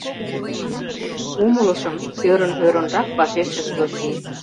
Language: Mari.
— Умылышым, — ӧрын-ӧрынрак вашештыш Зосим.